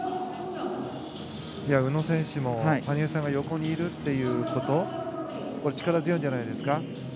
宇野選手も羽生さんが横にいるのは力強いんじゃないですか。